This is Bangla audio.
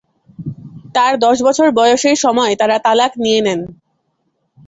তার দশ বছর বয়সের সময়ে তারা তালাক নিয়ে নেন।